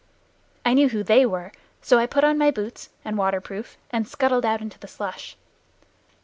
I knew who "they" were, so I put on my boots and waterproof and scuttled out into the slush.